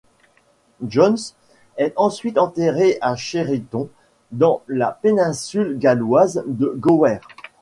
Jones est ensuite enterré à Cheriton, dans la péninsule galloise de Gower.